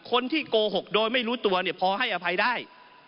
คนที่โกหกโดยไม่รู้ตัวเนี่ยพอให้อภัยได้